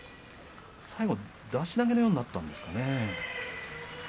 最後、出し投げのようになったんですかね。